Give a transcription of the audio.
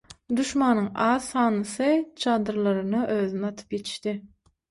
Duşmanyň az sanlysy çadyrlaryna özüni atyp ýetişdi.